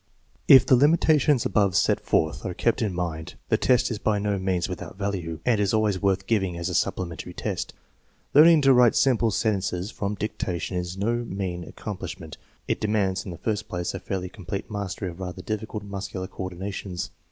If the limitations above set forth are kept hi mind, the test is by no means without value, and is always worth giving as a supplementary test. Learning to write simple sentences from dictation is no mean accomplishment. It demands, in the first place, a fairly complete mastery of rather difficult muscular coordinations.